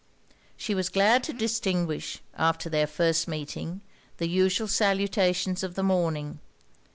She was glad to distinguish, at their first meeting, the usual salutations of the morning.